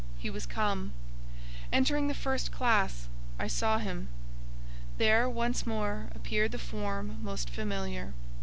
He was come. Entering the first classe, I saw him. There, once more appeared the form most familiar.